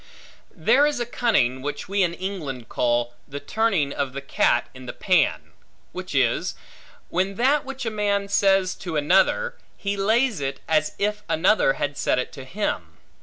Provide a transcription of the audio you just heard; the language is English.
There is a cunning, which we in England call, the turning of the cat in the pan; which is, when that which a man says to another, he lays it as if another had said it to him.